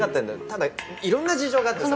ただいろんな事情があってさ。